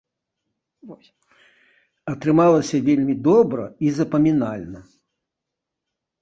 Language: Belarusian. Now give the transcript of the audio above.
Атрымалася вельмі добра і запамінальна.